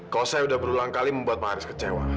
kau saya sudah berulang kali membuat pak haris kecewa